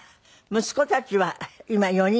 息子たちは今４人。